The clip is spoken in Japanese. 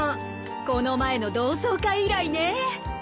この前の同窓会以来ね。